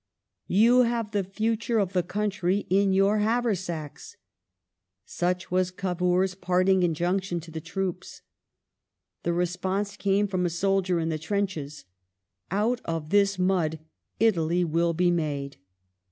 " You have the future of the country in your haversacks." Such was Cavour's pai'ting injunction to the troops. The response came from a soldier in the trenches: *'out of this mud Italy will be made